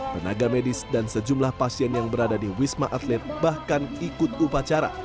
tenaga medis dan sejumlah pasien yang berada di wisma atlet bahkan ikut upacara